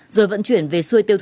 rồi vận chuyển về xuôi tiêu dịch